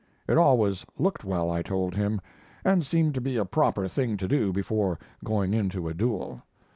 It always looked well, I told him, and seemed to be a proper thing to do before going into a duel.